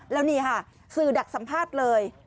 แล้วนี่ค่ะสื่อดักสัมภาษณ์เลย